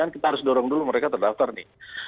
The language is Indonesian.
kita harus dorong dulu mereka terdaftar nih